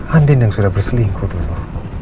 anden yang sudah berselingkuh dulu